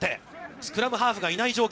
スクラムハーフがいない状況。